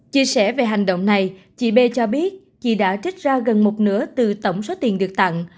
chia sẻ về hành động này chị b cho biết chị đã trích ra gần một nửa từ tổng số tiền được tặng